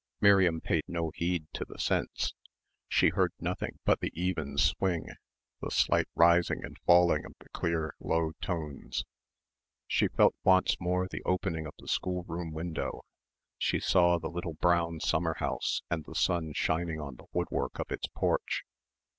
Miriam paid no heed to the sense. She heard nothing but the even swing, the slight rising and falling of the clear low tones. She felt once more the opening of the schoolroom window she saw the little brown summer house and the sun shining on the woodwork of its porch.